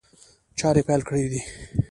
چاري پيل کړي دي.